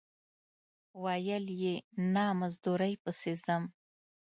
ویل یې نه مزدورۍ پسې ځم.